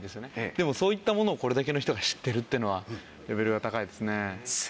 でもそういったものをこれだけの人が知ってるってのはレベルが高いですね。